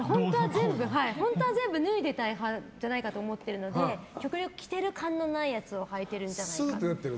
本当は全部脱いでいたい派かなと思っているので極力、着ている感のないやつをはいてるんじゃないかと。